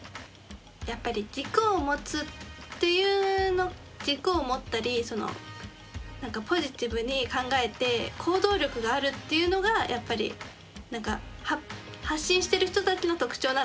やっぱり軸を持つっていうの軸を持ったりポジティブに考えて行動力があるっていうのがやっぱり発信してる人たちの特徴なのかなとは思いました。